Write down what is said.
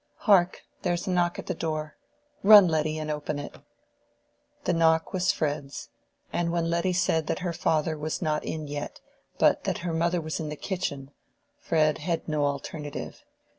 "Hark, there is a knock at the door! Run, Letty, and open it." The knock was Fred's; and when Letty said that her father was not in yet, but that her mother was in the kitchen, Fred had no alternative.